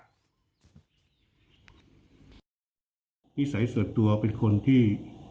นิสัยส่วนตัวเป็นคนที่